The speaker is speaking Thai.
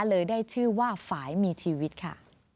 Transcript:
เลยได้ชื่อว่าฝ่ายมีชีวิตค่ะ